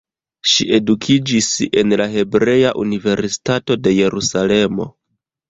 Ŝi edukiĝis en la Hebrea Universitato de Jerusalemo.